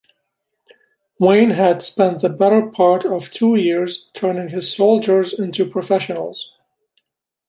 Wayne had spent the better part of two years turning his soldiers into professionals.